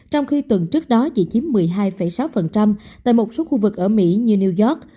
trong khi tuần trước đó chỉ chiếm một mươi hai sáu tại một số khu vực ở mỹ như new york